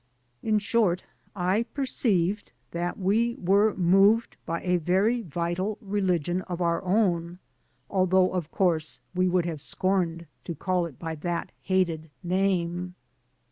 In short, I perceived that we were moved by a very vital religion of our own; although, of course, we would have scorned to call it by that hated name.